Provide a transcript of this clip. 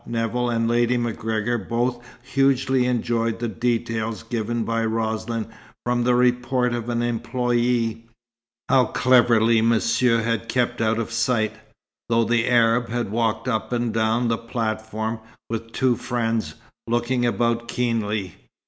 Now, Nevill and Lady MacGregor both hugely enjoyed the details given by Roslin from the report of an employé; how cleverly Monsieur had kept out of sight, though the Arab had walked up and down the platform, with two friends, looking about keenly.